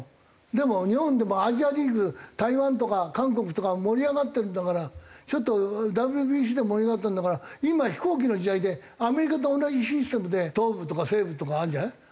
でも日本でもアジアリーグ台湾とか韓国とか盛り上がってるんだからちょっとＷＢＣで盛り上がったんだから今飛行機の時代でアメリカと同じシステムで東部とか西部とかあるじゃない？